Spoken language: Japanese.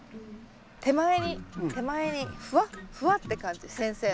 手前に手前にふわっふわって感じ先生の。